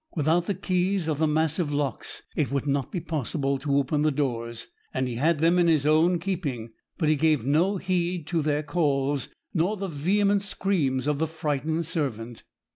Without the keys of the massive locks it would not be possible to open the doors, and he had them in his own keeping; but he gave no heed to their calls, nor the vehement screams of the frightened servant.